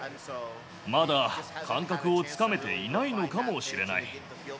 まだ感覚をつかめていないのかもしれない。